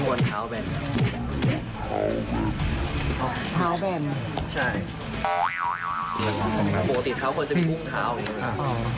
ปกติเท้าคนจะมีกุ้งเท้าอย่างนี้